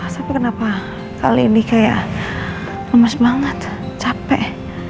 tapi kenapa kali ini kayak lemes banget capek